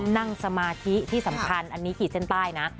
นั่งสมาธิที่สำคัญอันนี้ขีดเส้นใต้นะ